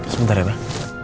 sebentar ya pak